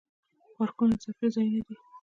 پارکونه د تفریح ځایونه دي